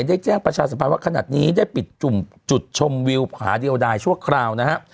ได้แจ้งประชาสัมพันธ์ว่าขนาดนี้ได้ปิดจุดชมวิวผาเดียวดายชั่วคราวนะฮะ